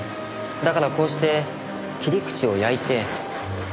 だからこうして切り口を焼いて。